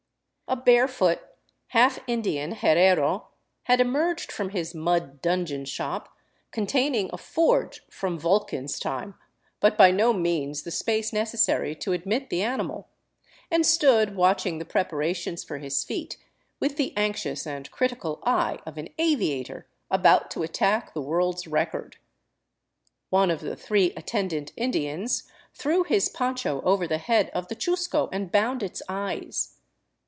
A barefoot, half Indian herrero had emerged from his mud dungeon shop, containing a forge from Vulcan's time, but by no means the space necessary to admit the animal, and stood watching the preparations for his feat with the anxious and critical eye of an aviator about to attack the world's record. One of the three attendant Indians threw his poncho over the head of the chusco and bound its eyes.